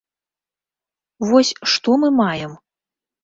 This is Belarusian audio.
Вось што мы маем?